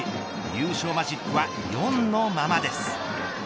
優勝マジックは４のままです。